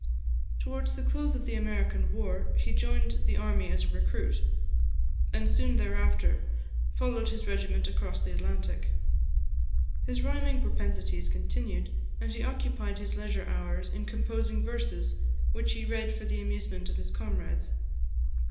Towards the close of the American war, he joined the army as a recruit, and soon thereafter followed his regiment across the Atlantic. His rhyming propensities continued; and he occupied his leisure hours in composing verses, which he read for the amusement of his comrades.